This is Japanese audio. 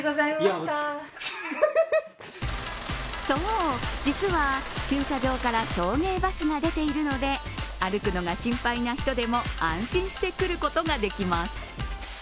そう、実は駐車場から送迎バスが出ているので、歩くのが心配な人でも安心して来ることができます。